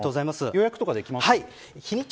予約とかできます？